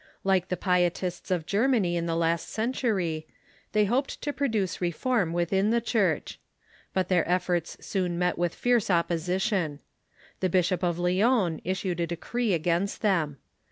Like the Pietists of Germany in the last century, they hoped to produce reform Avithin the Church. But their efforts soon met with fierce opposition. The Archbishop of Lyons issued a decree against them.